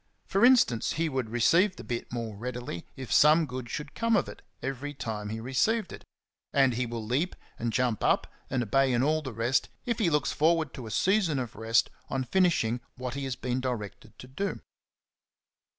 For instance, he would receive the bit the more readily if 4 50 XENOPHON ON HORSEMANSHIP. some good should come of it every time he received it; and he will leap and jump up and obey in all the rest if he looks forward to a season of rest on finishing what he has been directed to do.